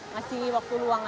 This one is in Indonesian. ngasih waktu luang aja